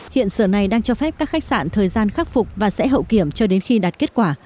hiện sở này đang cho phép các khách sạn thời gian khắc phục và sẽ hậu kiểm cho đến khi đạt kết quả